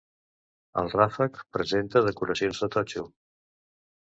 El ràfec presenta decoracions de totxo.